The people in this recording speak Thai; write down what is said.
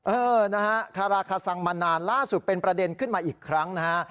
เออนะฮะคาราคาซังมานานล่าสุดเป็นประเด็นขึ้นมาอีกครั้งนะฮะ